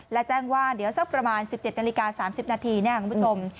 และแจ้งว่าเดี๋ยวสักประมาณ๑๗นาฬิกา๓๐นาทีคุณผู้ชม